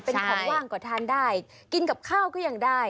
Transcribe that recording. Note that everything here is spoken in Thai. เป็นของว่างก็ทานได้กินกับข้าวก็ยังได้